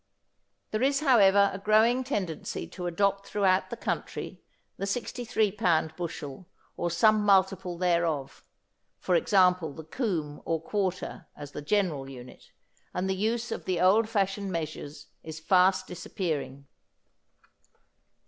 There is, however, a growing tendency to adopt throughout the country the 63 pound bushel or some multiple thereof, for example the coomb or quarter, as the general unit, and the use of the old fashioned measures is fast disappearing.